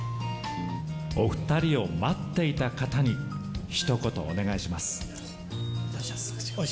お２人を待っていた方にひとお願いします。